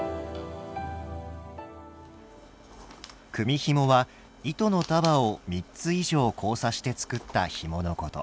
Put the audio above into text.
組みひもは糸の束を３つ以上交差して作ったひものこと。